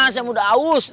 saya muda aus